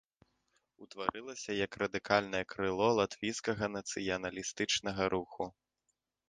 Утварылася як радыкальнае крыло латвійскага нацыяналістычнага руху.